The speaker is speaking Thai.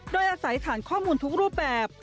โดยอาศัยฐานข้อมูลทุกรูปแบบ